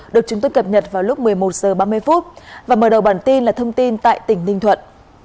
được chúng tôi cập nhật vào lúc một mươi một h ba mươi và mở đầu bản tin là thông tin tại tỉnh ninh thuận